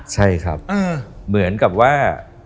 ใช่ครับเหมือนกับว่า